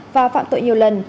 và phạm tội nhiều lần